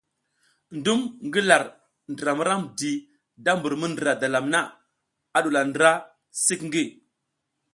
Ndum ngi lar ndra mi ramdi da mbur mi ndǝra dalam na a ɗuwula ndra sik ngi.